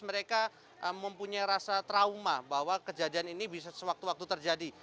mereka mempunyai rasa trauma bahwa kejadian ini bisa sewaktu waktu terjadi